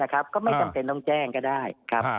ก็ไม่จำเป็นต้องแจ้งก็ได้ครับ